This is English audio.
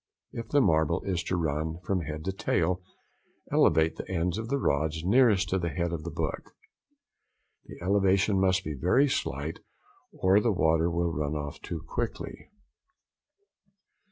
If the marble is to run from head to tail, elevate the ends of the rods nearest to the head of the book. The elevation must be very slight or the water will run off too quickly.